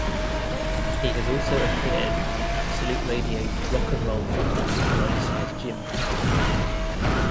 He has also appeared on Absolute Radio's Rock'n'Roll Football alongside Jim Proudfoot.